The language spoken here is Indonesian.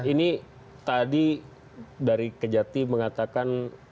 ini tadi dari kejati mengatakan